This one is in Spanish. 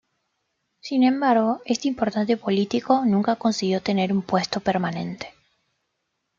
Sin embargo este importante político nunca consiguió tener un puesto permanente.